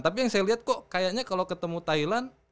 tapi yang saya lihat kok kayaknya kalau ketemu thailand